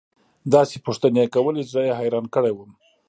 داسې پوښتنې يې كولې چې زه يې حيران كړى وم.